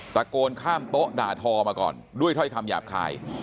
ตะโกนข้ามโต๊ะด่าทอมาก่อนด้วยถ้อยคำหยาบคาย